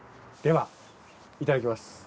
ではいただきます。